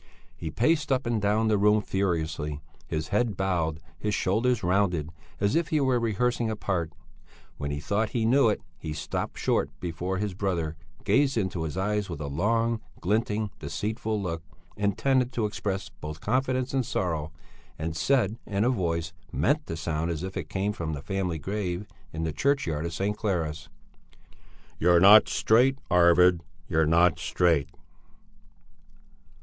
He paced up and down the room furiously, his head bowed, his shoulders rounded, as if he were rehearsing a part. When he thought he knew it, he stopped short before his brother, gazed into his eyes with a long, glinting, deceitful look, intended to express both confidence and sorrow, and said, in a voice meant to sound as if it came from the family grave in the churchyard of St. Clara's: "You're not straight, Arvid; you're not straight."